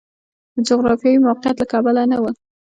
د جغرافیوي موقعیت له کبله نه و.